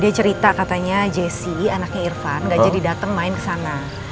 dia cerita katanya jessy anaknya irfan gak jadi dateng main kesana